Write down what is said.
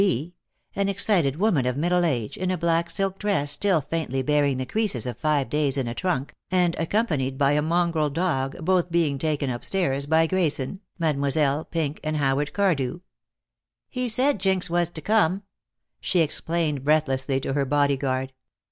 (b) An excited woman of middle age, in a black silk dress still faintly bearing the creases of five days in a trunk, and accompanied by a mongrel dog, both being taken upstairs by Grayson, Mademoiselle, Pink, and Howard Cardew. ("He said Jinx was to come," she explained breathlessly to her bodyguard.